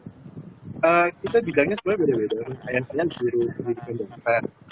jadi kita bidangnya sebenarnya beda beda yang saya diri di bidang saint